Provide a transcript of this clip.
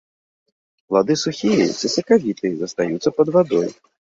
Плады сухія ці сакавітыя, застаюцца пад вадой.